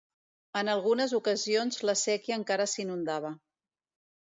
En algunes ocasions la séquia encara s'inundava.